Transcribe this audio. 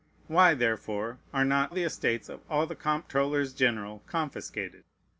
Why, therefore, are not the estates of all the comptrollers general confiscated?